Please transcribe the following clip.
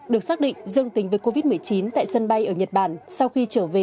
được xác định dương tính với covid một mươi chín tại sân bay ở nhật bản sau khi trở về